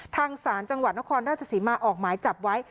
ทางศาลจังหวัดนครราชศรีมาออกหมายจับไว้